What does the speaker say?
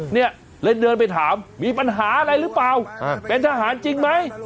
เนี่ยเลยเดินไปถามมีปัญหาอะไรหรือเปล่าเป็นทหารจริงไหม